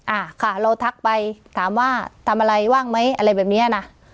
อ่าค่ะเราทักไปถามว่าทำอะไรว่างไหมอะไรแบบเนี้ยนะ